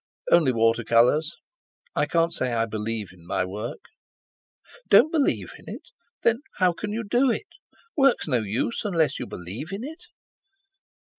"Only water colours; I can't say I believe in my work." "Don't believe in it? There—how can you do it? Work's no use unless you believe in it!"